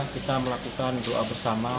kita melakukan doa bersama